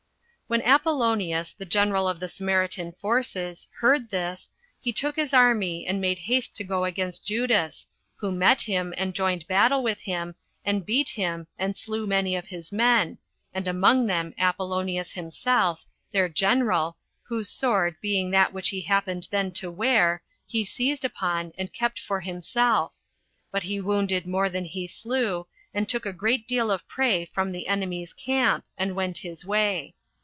1. When Apollonius, the general of the Samaritan forces, heard this, he took his army, and made haste to go against Judas, who met him, and joined battle with him, and beat him, and slew many of his men, and among them Apollonius himself, their general, whose sword being that which he happened then to wear, he seized upon, and kept for himself; but he wounded more than he slew, and took a great deal of prey from the enemy's camp, and went his way.